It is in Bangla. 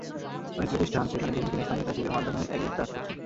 অনেক প্রতিষ্ঠান সেখানে জমি কিনে স্থানীয় চাষিদের মাধ্যমে অ্যাগেভ চাষ করছেন।